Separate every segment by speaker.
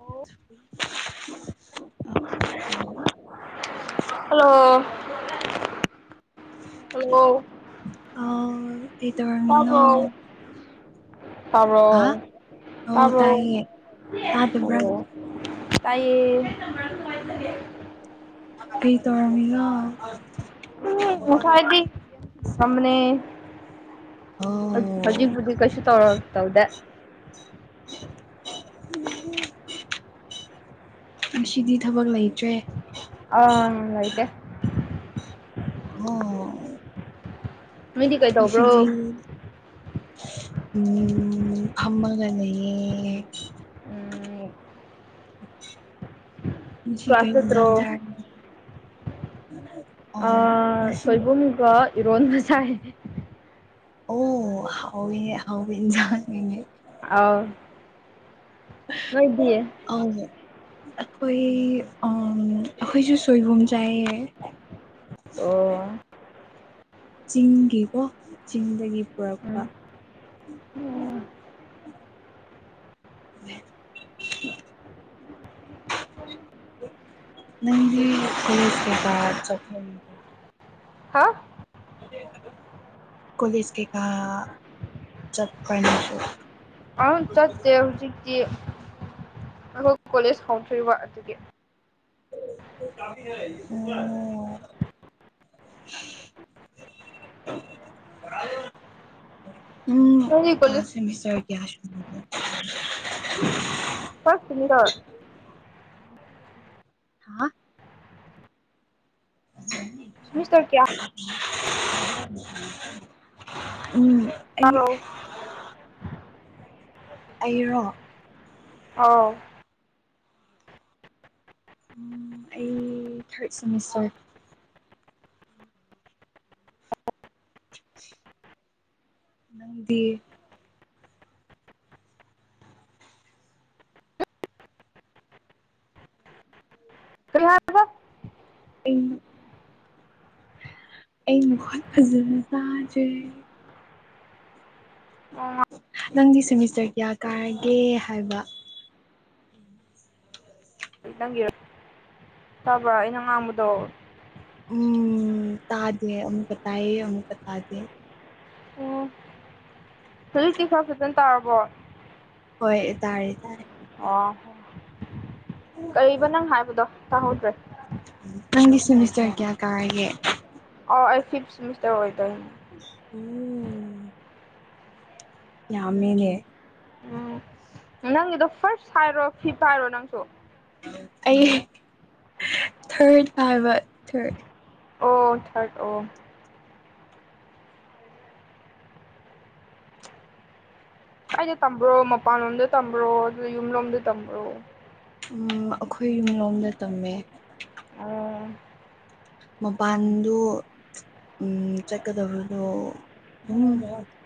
Speaker 1: [unintelligible]
Speaker 2: Hello hello
Speaker 1: ꯑ ꯍꯇꯕꯥꯅꯤꯅ
Speaker 2: ꯇꯥꯕ꯭ꯔꯣ ꯇꯥꯕ꯭ꯔꯣ
Speaker 1: ꯑꯧ
Speaker 2: ꯇꯥꯕ꯭ꯔꯣ
Speaker 1: ꯇꯥꯏꯌꯦ ꯇꯥꯗꯕ꯭ꯔꯥ
Speaker 2: ꯇꯥꯏꯌꯦ
Speaker 1: ꯀꯩ ꯇꯧꯔꯃꯤꯉ
Speaker 2: ꯎꯝ ꯑꯣ ꯐꯔꯗꯤ ꯁꯝꯅꯦ
Speaker 1: ꯑꯣ
Speaker 2: ꯍꯧꯖꯤꯛꯕꯨꯗꯤ ꯀꯁꯨ ꯇꯧꯔ ꯇꯕꯗꯦ
Speaker 1: [unintelligible] ꯉꯁꯤꯗꯤ ꯊꯕꯛ ꯂꯩꯇ꯭ꯔꯦ
Speaker 2: ꯑ ꯑꯥꯏꯗ
Speaker 1: ꯍ
Speaker 2: ꯅꯣꯏꯗꯤ ꯀꯩꯗꯧꯕ꯭ꯔꯣ
Speaker 1: ꯉꯁꯤ ꯎꯝ ꯑꯃꯒꯅꯒꯦ
Speaker 2: ꯎꯝ
Speaker 1: ꯁꯤ
Speaker 2: ꯀ꯭ꯂꯥꯁ
Speaker 1: ꯀꯩ
Speaker 2: ꯆꯠꯇ꯭ꯔꯣ
Speaker 1: ꯏꯖꯥꯡ ꯆꯥ
Speaker 2: ꯁꯣꯏꯕꯨꯝꯒ ꯏꯔꯣꯟꯕ ꯁꯥꯏ
Speaker 1: ꯑꯣ ꯍꯥꯎ ꯍꯥꯎꯕꯖꯅꯦ
Speaker 2: ꯑꯥꯎ ꯃꯣꯏꯗꯤꯌꯦꯦ
Speaker 1: ꯑ ꯑꯩꯈꯣꯏ ꯑꯩꯈꯣꯏꯁꯨ ꯁꯣꯏꯕꯨꯝ ꯆꯥꯏꯌꯦ
Speaker 2: ꯑꯣ
Speaker 1: ꯆꯤꯡꯒꯤꯀꯣ ꯆꯤꯡꯗꯒꯤ ꯄꯨꯔꯛꯄ
Speaker 2: ꯎꯝ
Speaker 1: ꯅꯪꯒꯤ ꯀꯁ ꯆꯄ
Speaker 2: ꯍꯥ
Speaker 1: ꯀꯣꯂꯦꯖꯀꯤ ꯀ ꯆꯠ ꯀꯁꯨ
Speaker 2: ꯑꯗꯨ ꯆꯠꯇꯦ ꯍꯧꯖꯤꯛꯇꯤ ꯑꯩꯈꯣꯏ ꯀꯣꯂꯦꯖ ꯍꯧꯊꯔꯤꯕ ꯑꯗꯨꯒꯤ
Speaker 1: ꯎꯝ [unintelligible] ꯎꯝ
Speaker 2: ꯅꯪꯗꯤ ꯀꯣꯂꯦꯖ
Speaker 1: ꯁꯦꯃꯤꯁꯇꯔ ꯀꯌꯥ
Speaker 2: ꯐꯗꯣ
Speaker 1: ꯍꯥ ꯑꯣꯦ
Speaker 2: ꯁꯇꯔ ꯀꯌꯥ
Speaker 1: ꯎꯝ ꯑꯩ
Speaker 2: ꯍꯂꯣ
Speaker 1: ꯑꯩꯔꯛ
Speaker 2: ꯑꯥꯎ
Speaker 1: ꯎꯝ ꯑꯩ ꯊꯔꯗ ꯁꯦꯃꯤꯁꯔ [unintelligible] ꯅꯪꯗꯤ
Speaker 2: ꯐꯔꯤꯍ
Speaker 1: ꯎ ꯑꯩ ꯅꯈꯣꯟ ꯐꯖꯅ ꯆꯖꯦ
Speaker 2: ꯑꯣ
Speaker 1: ꯅꯪꯗꯤ ꯁꯦꯃꯤꯁꯇꯔ ꯀꯌꯥ ꯀꯥꯔꯒꯦ ꯍꯥꯏꯕ
Speaker 2: ꯅꯪꯒꯤꯔ ꯇꯥꯕ꯭ꯔꯥ ꯑꯩꯅ ꯉꯥꯡꯕꯗꯣ
Speaker 1: ꯎꯝ ꯇꯥꯗꯦ ꯑꯃꯨꯛꯀ ꯇꯥꯏꯌꯦ ꯑꯃꯨꯛꯀ ꯇꯥꯗꯦ
Speaker 2: ꯎꯝ ꯍꯧꯖꯤꯛꯇꯤ ꯈꯔ ꯐꯖꯅ ꯇꯥꯔꯕꯣ
Speaker 1: ꯍꯣꯏ ꯇꯥꯔꯦ ꯇꯥꯔꯦ
Speaker 2: ꯑꯣꯣ ꯀꯔꯤꯕ ꯅꯪ ꯍꯥꯏꯕꯗꯣ ꯇꯥꯍꯧꯗ꯭ꯔꯦ
Speaker 1: ꯅꯪꯒꯤ ꯁꯦꯃꯤꯁꯇꯔ ꯀꯌꯥ ꯀꯥꯔꯒꯦ
Speaker 2: ꯑꯣ ꯑꯩ ꯐꯤꯐꯊ ꯁꯦꯃꯤꯁꯔ ꯑꯣꯏꯣꯏ
Speaker 1: ꯣ ꯌꯥꯝꯃꯤꯅꯦ
Speaker 2: ꯎꯝ ꯅꯪꯒꯤꯗꯣ ꯐꯥꯔꯁ ꯍꯥꯏꯔꯣ ꯐꯤꯞ ꯍꯥꯏꯔꯣ ꯅꯪꯁꯨ
Speaker 1: ꯑꯩ ꯊꯣꯏ ꯍꯥꯏꯕ ꯊꯣꯏ
Speaker 2: ꯑꯣ ꯊꯔꯗ ꯑꯣ ꯑꯩꯗꯤꯣ ꯇꯝꯕ꯭ꯔꯣ ꯃꯄꯥꯟꯂꯣꯝꯗ ꯇꯝꯕ꯭ꯔꯣ ꯑꯗꯨ ꯌꯨꯝꯂꯣꯝꯗ ꯇꯝꯕ꯭ꯔꯣ
Speaker 1: ꯎ ꯑꯩꯈꯣꯏ ꯌꯨꯝꯂꯣꯝꯗ ꯇꯝꯃꯦ
Speaker 2: ꯑ
Speaker 1: ꯃꯄꯥꯟꯗꯨ ꯎꯝ ꯆꯠꯀꯗꯕꯗꯣ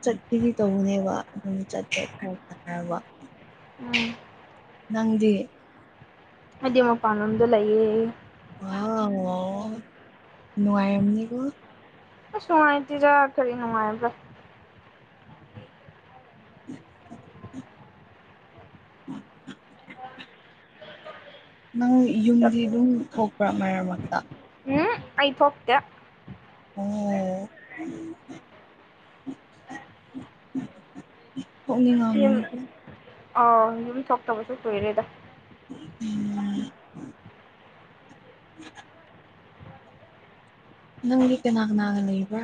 Speaker 1: ꯆꯠꯈꯤꯗꯤ ꯇꯧꯕꯅꯦꯕ ꯎꯝ ꯆꯠꯠꯇ꯭ꯔꯦ ꯍꯥꯏ ꯍꯥꯏ ꯋꯥ
Speaker 2: ꯎꯝ
Speaker 1: ꯅꯪꯗꯤ
Speaker 2: ꯍꯥꯏꯗꯤ ꯃꯄꯥꯟꯂꯣꯝꯗꯣ ꯂꯩꯌꯦ
Speaker 1: ꯑꯣ ꯅꯉꯝꯅꯤ ꯀꯣ
Speaker 2: ꯁ ꯃꯥꯥꯏꯇꯤꯖ ꯈꯔꯤꯅꯅꯨꯡ ꯃꯥꯥꯏꯕ
Speaker 1: [inaudible] ꯎꯝ ꯅꯪ ꯌꯨꯝꯗꯤ ꯑꯗꯨꯝ ꯊꯣꯛꯄ꯭ꯔꯥ ꯃꯔꯛ ꯃꯔꯛꯇ
Speaker 2: ꯑ ꯑꯩꯥꯏꯠ ꯍꯇꯦ
Speaker 1: ꯑꯣ ꯄꯨꯣꯛꯅꯤꯡꯉꯥꯅꯤꯀꯣ
Speaker 2: ꯑ ꯌ ꯊꯣꯛꯇꯕꯁꯨ ꯇꯣꯏꯔꯦꯗ
Speaker 1: ꯎꯝ ꯅꯪꯒꯤ ꯀꯅꯥ ꯀꯅꯥꯒ ꯂꯩꯕ꯭ꯔꯥ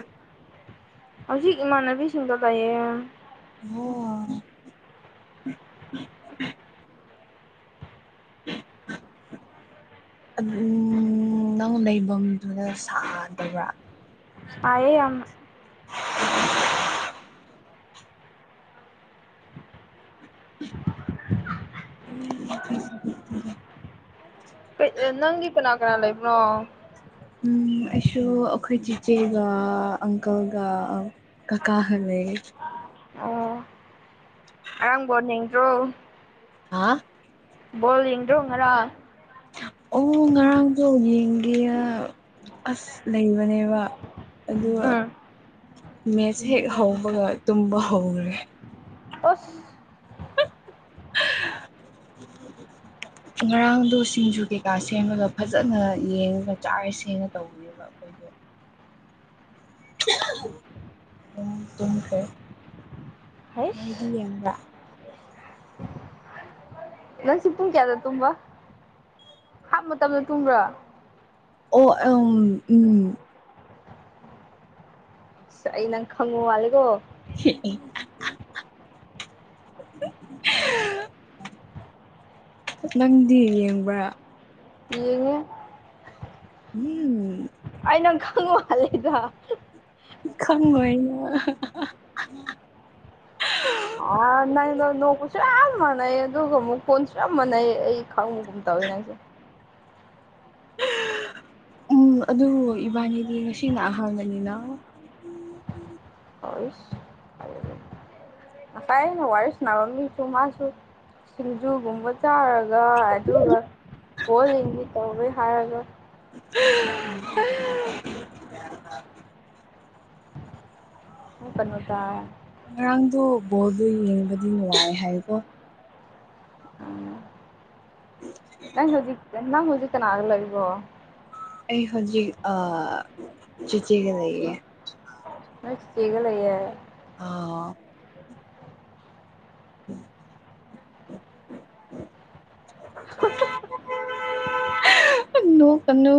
Speaker 2: ꯍꯧꯖꯤꯛ ꯏꯃꯥꯟꯅꯕꯤꯁꯤꯡꯗꯣ ꯂꯩꯥꯛꯌꯦ
Speaker 1: ꯑꯣ [inaudible] ꯑꯗꯨ ꯅꯪ ꯂꯩꯐꯝꯗꯨꯗ ꯁꯥꯗꯕ꯭ꯔꯥ
Speaker 2: ꯑꯑꯌꯦ ꯌꯥꯝ
Speaker 1: [inaudible]
Speaker 2: ꯅꯪꯤ ꯄꯅꯥꯀ꯭ꯔ ꯂꯩꯦ ꯏꯕ꯭ꯔꯣ
Speaker 1: ꯎꯝ ꯑꯩꯁꯨ ꯑꯩꯈꯣꯏ ꯆꯤꯆꯦꯒ ꯑꯪꯀꯜꯒ ꯀ ꯀꯥꯒ ꯂꯩꯦ
Speaker 2: ꯑꯔꯥꯡꯕꯣꯠ ꯅ꯭ꯔꯣ
Speaker 1: ꯍꯥꯥ
Speaker 2: ꯕꯣꯜ ꯌꯦꯡꯗ꯭ꯔꯣ ꯉꯔꯥ
Speaker 1: ꯑꯣ ꯉꯔꯥꯡꯁꯨ ꯌꯦꯡꯒꯦ ꯑꯁ ꯂꯩꯕꯅꯦꯕ ꯑꯗꯨꯒ
Speaker 2: ꯎꯝ
Speaker 1: ꯃꯦꯠꯁ ꯍꯦꯛ ꯍꯧꯕꯒ ꯇꯨꯝꯕ ꯍꯧꯈ꯭ꯔꯦ
Speaker 2: ꯑꯁ
Speaker 1: ꯎ ꯉꯔꯥꯡꯗꯨ ꯁꯤꯡꯖꯨ ꯀꯩꯀꯥ ꯁꯦꯝꯃꯒ ꯐꯖꯅ ꯌꯦꯡꯉꯒ ꯆꯥꯏꯔ ꯁꯦꯡꯅ ꯇꯧꯕꯅꯦ ꯈꯣꯏꯒꯣ ꯑꯗꯨꯝ ꯆꯝꯈ꯭ꯔ ꯅꯪꯗꯤ
Speaker 2: ꯍꯩꯁ
Speaker 1: ꯂꯦꯡꯕ꯭ꯔ
Speaker 2: ꯅꯪ ꯁꯤ ꯇꯨꯡ ꯀꯌꯥꯗ ꯇꯨꯝꯕ ꯍꯥꯞ ꯃꯇꯝ ꯃꯇꯝꯗ ꯇꯨꯝꯕ꯭ꯔꯥ
Speaker 1: ꯑꯣ ꯑ ꯎꯝ
Speaker 2: ꯁ ꯅꯪ ꯈꯪꯉꯣ ꯃꯥꯂꯒꯣ
Speaker 1: [inaudible] ꯅꯪꯗꯤ ꯌꯦꯡꯕ꯭ꯔꯥ
Speaker 2: ꯌꯦꯡꯉꯦ
Speaker 1: ꯑ
Speaker 2: ꯑꯩꯅꯪ ꯈꯪ ꯃꯥꯜꯂꯦꯗ
Speaker 1: ꯏ ꯈꯪꯑꯣꯏꯅ
Speaker 2: ꯅꯪꯅ ꯅꯣꯛꯕꯁꯨ ꯌꯥꯝ ꯃꯥꯟꯅꯩ ꯑꯗꯨꯒ ꯑꯃꯨꯛ ꯀꯣꯟꯁꯨ ꯌꯥꯝ ꯃꯥꯟꯅꯩ ꯑꯩ ꯈꯥꯎꯒꯨꯝ ꯇꯧꯋꯦ ꯅꯪꯁꯦ
Speaker 1: ꯎꯝ ꯑꯗꯨ ꯏꯕꯥꯅꯤꯗꯤ ꯉꯁꯤꯅ ꯑꯍꯥꯟꯕꯅꯤꯅ
Speaker 2: ꯎ ꯑꯁꯥꯏ ꯑꯩꯅ ꯋꯥꯔꯤ ꯁꯥꯟꯅꯕ ꯃꯤꯁꯨ ꯃꯥꯁꯨ ꯁꯤꯡꯖꯨꯒꯨꯝꯕ ꯆꯥꯔꯒ ꯑꯗꯨꯒ ꯄꯣꯜꯂꯤꯗꯤ ꯇꯧꯋꯦ ꯍꯥꯏꯔꯒ
Speaker 1: ꯎ
Speaker 2: ꯎ ꯄꯟꯨꯗ
Speaker 1: ꯉꯔꯥꯡꯗꯣ ꯕꯣꯜꯗꯣ ꯌꯦꯡꯕꯗꯤ ꯅꯨꯡꯉꯥꯏ ꯍꯥꯏꯀꯣ
Speaker 2: ꯎꯝ ꯅꯪ ꯍꯖꯤꯛꯇ ꯅꯪ ꯍꯖꯤꯛ ꯀꯅꯥꯒ ꯂꯩꯕ꯭ꯔꯣ
Speaker 1: ꯑꯩ ꯍꯧꯖꯤꯛ ꯑ ꯆꯤꯆꯦꯒ ꯂꯩꯌꯦ
Speaker 2: ꯅꯣꯢꯆꯦꯒ ꯂꯩꯑꯦ
Speaker 1: ꯑꯥ [inaudible] [inaudible] ꯅꯣꯛꯀꯅꯨ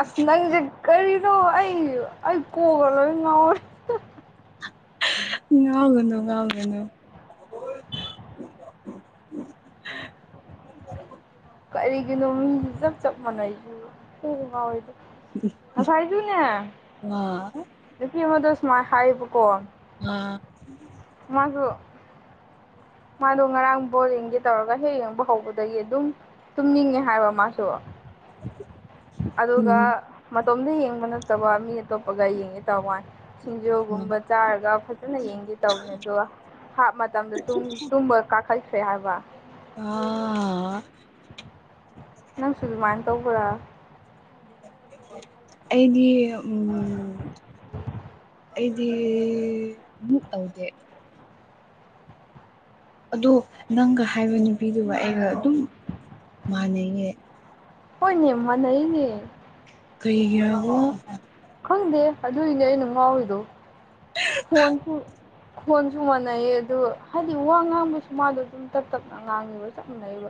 Speaker 2: ꯑꯁ ꯅꯪꯁꯦ ꯀꯔꯤꯅꯣ ꯑꯩ ꯑꯩ ꯀꯣꯛꯒ ꯂꯣꯏ ꯉꯥꯎꯔꯦ
Speaker 1: ꯉꯥꯎꯒꯅꯨ ꯉꯥꯎꯒꯅꯨ
Speaker 2: ꯀꯔꯤꯒꯤꯅꯣ ꯃꯤꯗꯤ ꯆꯞ ꯆꯞ ꯃꯥꯟꯅꯩꯁꯨ ꯉꯥꯎꯋꯤꯗ ꯉꯁꯥꯏꯖꯨꯅꯦ
Speaker 1: ꯋꯥ
Speaker 2: ꯅꯨꯄꯤ ꯃꯗꯨ ꯁꯃꯥꯏ ꯍꯥꯏꯕ ꯀꯣ
Speaker 1: ꯑꯥ
Speaker 2: ꯃꯥꯖꯨ ꯃꯥꯗꯣ ꯉꯔꯥꯡ ꯕꯣꯜ ꯌꯦꯡꯒꯦ ꯇꯧꯔꯒ ꯍꯦꯛ ꯌꯦꯡꯕ ꯍꯧꯕꯗꯒꯤ ꯑꯗꯨꯝ ꯇꯨꯝꯅꯤꯡꯉꯦ ꯍꯥꯏꯕ ꯃꯥꯁꯨ
Speaker 1: [inaudible]
Speaker 2: ꯑꯗꯨꯒ
Speaker 1: ꯎꯝ
Speaker 2: ꯃꯇꯣꯝꯗ ꯌꯦꯡꯕ ꯅꯠꯇꯕ ꯃꯤ ꯑꯇꯣꯞꯄꯒ ꯌꯦꯡꯉꯦ ꯇꯧꯋꯥꯅꯤ ꯁꯤꯡꯖꯨꯒꯨꯝꯕ ꯆꯥꯔꯒ ꯐꯖꯅ ꯌꯦꯡꯒꯦ ꯇꯧꯕꯅꯦ ꯑꯗꯨꯒ ꯍꯥꯞ ꯃꯇꯝꯗ ꯇꯨꯝꯕ ꯀꯥꯈꯠꯈ꯭ꯔꯦ ꯍꯥꯏꯕ
Speaker 1: ꯑ
Speaker 2: ꯅꯪ ꯁꯨꯖꯃꯥꯏꯅ ꯇꯧꯕ꯭ꯔꯥ
Speaker 1: ꯑꯩꯗꯤ ꯎꯝ ꯑꯩꯗꯤ ꯇꯧꯗꯦ ꯑꯗꯣ ꯅꯪꯒ ꯍꯥꯏꯕ ꯅꯨꯄꯤꯗꯨꯒ ꯑꯩꯒ ꯑꯗꯨꯝ ꯃꯥꯟꯅꯩꯌꯦ
Speaker 2: ꯍꯣꯏꯅꯦ ꯃꯥꯟꯅꯩꯅꯦ
Speaker 1: ꯀꯩꯒꯤꯔꯕꯣ
Speaker 2: ꯈꯪꯗꯦ ꯑꯗꯨꯏꯅꯦ ꯑꯩꯅ ꯉꯥꯎꯔꯤꯗꯣ ꯐꯣꯟꯁꯨ ꯈꯣꯟꯁꯨ ꯃꯥꯟꯅꯩꯌꯦ ꯑꯗꯨ ꯍꯥꯏꯗꯤ ꯋꯥ ꯉꯥꯡꯕꯁꯨ ꯃꯥꯗꯣ ꯇꯞ ꯇꯞꯅ ꯉꯥꯡꯉꯤꯕ ꯆꯞꯃꯥꯅꯩꯕ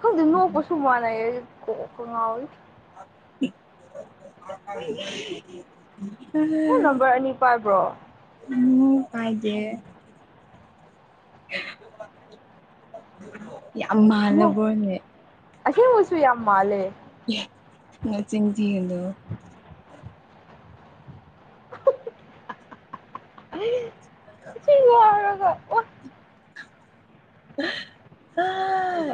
Speaker 2: ꯈꯪꯗꯦ ꯅꯣꯛꯄꯁꯨ ꯃꯥꯟꯅꯩꯌꯦ ꯀꯣꯛꯀ ꯉꯥꯎꯋ
Speaker 1: [unintelligible]
Speaker 2: ꯅꯪ ꯅꯝꯕꯔ ꯑꯅꯤ ꯄꯥꯏꯕ꯭ꯔꯣ
Speaker 1: ꯎꯝ ꯎꯝ ꯀꯥꯏꯗꯦ ꯌꯥꯝ
Speaker 2: ꯅꯣꯛ
Speaker 1: ꯃꯥꯂꯕꯣꯅꯦ
Speaker 2: ꯑꯁꯦꯡꯕꯁꯨ ꯌꯥꯝ ꯃꯥꯜꯂꯦ
Speaker 1: ꯅꯆꯤꯟ ꯊꯤꯒꯅꯨ
Speaker 2: ꯁꯤ ꯌꯥꯔꯒ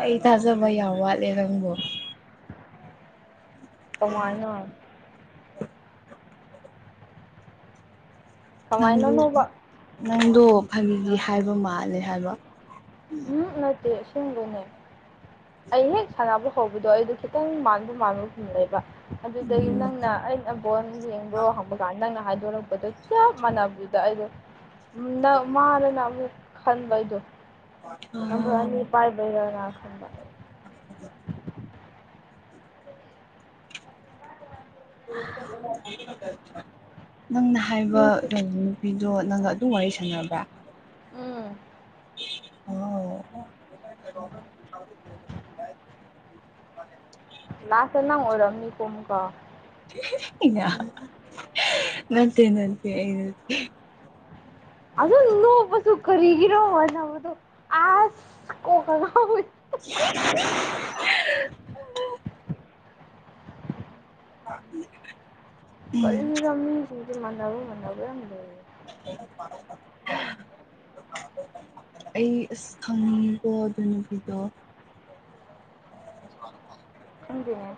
Speaker 1: ꯑꯩ ꯊꯥꯖꯕ ꯌꯥꯝ ꯋꯥꯠꯂꯦ ꯅꯪꯕꯨ
Speaker 2: ꯀꯃꯥꯏꯅ
Speaker 1: ꯅꯪꯗꯨ
Speaker 2: ꯀꯃꯥꯏꯅꯅꯣꯕ
Speaker 1: ꯅꯪꯗꯣ ꯐꯥꯒꯤꯒꯤ ꯍꯥꯏꯕ ꯃꯥꯜꯂꯦ ꯍꯥꯏꯕ
Speaker 2: ꯎꯝ ꯅꯠꯇꯦ ꯁꯤꯡꯕꯅꯦ ꯑꯩ ꯍꯦꯛ ꯁꯥꯟꯅꯕ ꯍꯧꯕꯗꯣ ꯑꯩꯗꯣ ꯈꯤꯇꯪ ꯃꯥꯟꯕ ꯃꯥꯟꯕꯒꯨꯝꯂ ꯂꯩꯕ ꯑꯗꯨꯗꯒꯤ ꯅꯪꯅ ꯑꯩꯅ ꯅꯕꯣꯟ ꯌꯦꯡꯕ꯭ꯔꯣ ꯍꯪꯕ ꯀꯥꯟꯗ ꯅꯪꯅ ꯍꯥꯏꯗꯣꯔꯛꯄꯗꯣ ꯆꯞ ꯃꯥꯟꯅꯕꯗꯨꯗ ꯑꯩꯗꯣ ꯅ ꯃꯥꯗꯅ ꯑꯃꯨꯛ ꯈꯟꯕꯩꯗꯣ
Speaker 1: [unintelligible]
Speaker 2: ꯅꯝꯕꯔ ꯑꯅꯤ ꯄꯥꯏꯕꯩꯔꯅ ꯈꯟꯕ [inaudible]
Speaker 1: ꯅꯪꯅ ꯍꯥꯏꯕ
Speaker 2: ꯃꯤꯁꯦ
Speaker 1: ꯀꯩꯅꯣꯅꯤ ꯄꯤꯗꯣ ꯅꯪꯒ ꯑꯗꯨꯝ ꯋꯥꯔꯤ ꯁꯥꯟꯅꯕ꯭ꯔꯥ
Speaker 2: ꯎꯝ
Speaker 1: ꯑꯣ
Speaker 2: ꯂꯥꯁꯇꯥ ꯅꯡ ꯑꯣꯏꯔꯝꯅꯤꯀꯣ ꯑꯃꯨꯛ
Speaker 1: ꯏ ꯅꯠꯇꯦ ꯅꯠꯇꯦꯠꯇꯦ
Speaker 2: ꯑ ꯑꯗꯨ ꯅꯣꯛꯄꯥꯁꯨ ꯀꯔꯤꯒꯤꯔꯣ ꯃꯥꯅꯕꯗꯨ ꯑꯁ ꯀꯣꯛꯀꯥ ꯉꯎ ꯏ
Speaker 1: [unintelligible] [unintelligible]
Speaker 2: ꯀꯔꯤꯒꯤꯅꯣ ꯃꯤ ꯁꯤꯡ ꯁꯦ ꯃꯥꯅꯕ ꯃꯥꯅꯕ ꯌꯥꯝ ꯂꯩ
Speaker 1: ꯦꯦ [unintelligible] ꯑꯩ ꯑꯁ ꯈꯪꯅꯤꯡꯉꯤꯀꯣ ꯑꯗꯨꯅꯕꯤꯗꯣ
Speaker 2: ꯈꯪꯗꯦꯅꯦ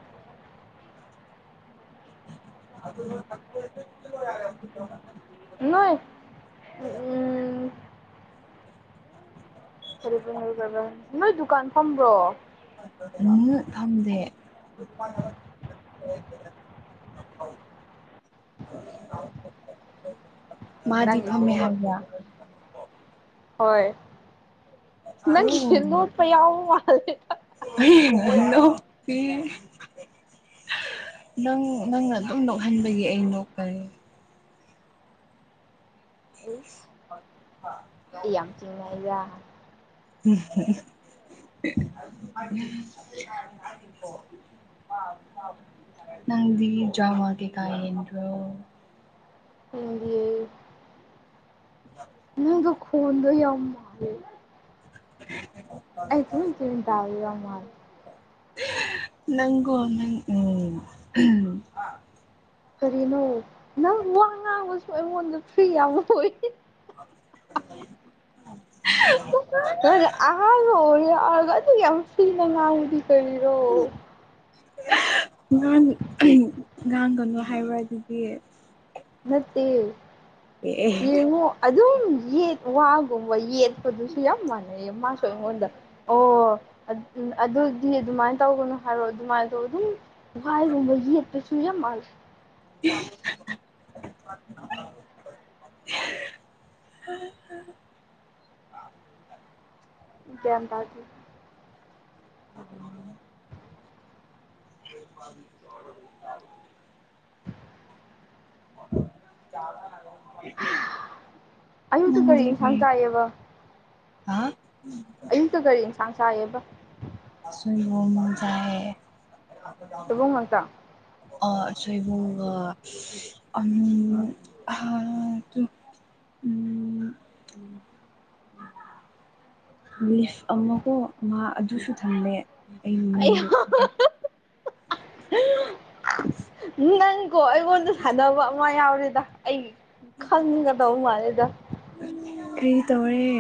Speaker 1: ꯑꯗꯨ [unintelligible]
Speaker 2: ꯅꯣꯏ ꯎꯝ꯫ ꯐꯔꯤꯁꯨ ꯂꯧꯗꯕ ꯅꯣꯏ ꯗꯨꯀꯥꯟ ꯐꯝꯕ꯭ꯔꯣ꯫
Speaker 1: ꯎꯝ ꯈꯪꯗꯦ꯫ ꯃꯥꯗꯤ
Speaker 2: ꯅꯪꯒꯤꯁꯦ
Speaker 1: ꯐꯝꯃꯦ
Speaker 2: ꯅꯣꯠ
Speaker 1: ꯍꯥꯏꯕ꯫
Speaker 2: ꯍꯣꯏ꯫ ꯅꯪꯒꯤ
Speaker 1: ꯑꯣ
Speaker 2: ꯂꯣꯠꯄ ꯌꯥꯎ ꯃꯥꯜꯂꯦ
Speaker 1: ꯑꯥ ꯅꯪ ꯅꯪꯅ ꯑꯗꯨꯝ ꯅꯣꯛꯍꯟꯕꯒꯤ ꯑꯩ ꯅꯣꯛꯄꯥꯅꯤ
Speaker 2: [unintelligible]
Speaker 1: [unintelligible]
Speaker 2: ꯑꯩ ꯌꯥꯝ ꯆꯤꯡꯅꯩꯗꯥ
Speaker 1: [unintelligible] ꯅꯪꯗꯤ ꯗ꯭ꯔꯃꯥ ꯀꯩꯀꯥ ꯌꯦꯡꯗ꯭ꯔꯣ꯫
Speaker 2: ꯀꯗꯤ ꯅꯪꯒ ꯈꯣꯟꯗꯣ ꯌꯥꯝ ꯃꯥꯂꯦ꯫ ꯑꯩ ꯆꯤꯟ ꯆꯨꯔꯤ ꯇꯥꯕ ꯌꯥꯝ ꯃꯥꯜꯂꯦ꯫
Speaker 1: ꯅꯪꯀꯣ ꯅꯪ ꯎꯝ꯫
Speaker 2: ꯀꯔꯤꯅꯣ ꯅꯪ ꯋꯥ ꯉꯥꯡꯕꯁꯨ ꯑꯩꯉꯣꯟꯗ ꯐ꯭ꯔꯤ ꯌꯥꯝ ꯑꯣꯏ꯫
Speaker 1: [unintelligible]
Speaker 2: ꯀꯥꯗꯩ ꯑꯍꯥꯟꯒ ꯑꯣꯢꯔꯦ ꯑꯗꯨꯒ ꯌꯥꯝ ꯐꯤꯗ ꯉꯥꯡꯕꯗꯤ ꯀꯔꯤꯔꯣ꯫
Speaker 1: ꯉꯥꯡ ꯉꯥꯡꯒꯅꯨ ꯍꯥꯏꯕ꯭ꯔ ꯑꯗꯨꯗꯤ꯫
Speaker 2: ꯅꯠꯇꯦ
Speaker 1: ꯑꯦ
Speaker 2: ꯌꯦꯡꯉꯣ ꯑꯗꯨꯝ ꯌꯦꯠ ꯋꯥꯒꯨꯝꯕ ꯌꯦꯠ꯫ ꯄꯨꯗꯨꯁꯤ ꯌꯥꯝ ꯃꯥꯟꯅꯩꯌꯦ ꯃꯥ ꯁꯨ ꯑꯩꯉꯣꯟꯗ꯫ ꯑꯣ ꯑꯗꯨ ꯑꯗꯨꯗꯤ ꯑꯗꯨꯃꯥꯏꯅ ꯇꯧꯒꯅꯨ ꯍꯥꯏꯔꯛꯑꯣ ꯑꯗꯨꯃꯥꯏꯅ ꯑꯗꯨꯝ꯫ ꯋꯥꯏꯒꯨꯝꯕ ꯌꯦꯠꯄꯁꯨ ꯌꯥꯝ ꯃꯥꯥꯟꯂꯦ꯫
Speaker 1: [unintelligible] [unintelligible]
Speaker 2: ꯒ꯭ꯌꯥꯟ ꯇꯥꯗ꯭ꯔꯤ꯫
Speaker 1: [unintelligible] [inaudible]
Speaker 2: ꯑꯌꯨꯛꯇ ꯀꯔꯤ
Speaker 1: ꯅꯪꯗꯤ ꯀꯩ
Speaker 2: ꯏꯟꯁꯥꯡ ꯆꯥꯏꯌꯦꯕ
Speaker 1: ꯑ꯫
Speaker 2: ꯏꯟꯇ ꯀꯔꯤ ꯁꯥꯡ ꯁꯥꯍꯦꯕ꯫
Speaker 1: ꯁꯨꯏꯕꯨꯝ ꯃ ꯆꯥꯌꯦ꯫
Speaker 2: ꯁꯣꯢꯕꯨꯝ ꯉꯥꯛꯇ꯫
Speaker 1: ꯑ ꯁꯣꯏꯕꯨꯝꯒ ꯑꯅꯤ ꯑ ꯑꯗꯨꯝ꯫ ꯎꯝ꯫ ꯂꯤꯐ ꯑꯃꯀꯣ ꯉꯥ ꯑꯗꯨꯁꯨ ꯊꯝꯃꯦ꯫ ꯑꯩ꯫ ꯃꯃꯤꯡꯗꯣ ꯈꯪ
Speaker 2: [unintelligible]
Speaker 1: [unintelligible]
Speaker 2: ꯅꯪꯀꯣ ꯑꯩꯉꯣꯟꯗ ꯁꯥꯟꯅꯕ ꯑꯃ ꯌꯥꯎꯔꯦꯗ ꯑꯩ꯫ ꯈꯪꯒꯗꯧ ꯃꯥꯂꯦꯗ꯫
Speaker 1: ꯀꯔꯤ ꯇꯧꯔꯦ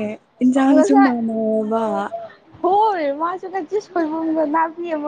Speaker 1: ꯏꯟꯁꯥꯡꯁꯨ
Speaker 2: ꯉꯁꯥꯏ
Speaker 1: ꯃꯥꯟꯅꯔꯕ꯫
Speaker 2: ꯍꯣꯏ ꯃꯥꯁꯨ ꯉꯁꯤ ꯁꯣꯢꯕꯨꯝꯒ ꯅꯥꯛꯇꯦꯕ꯫